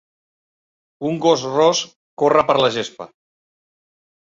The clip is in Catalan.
Un gos ros corre per la gespa.